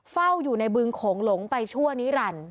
เฝ้าอยู่ในบึงโขงหลงไปชั่วนิรันดิ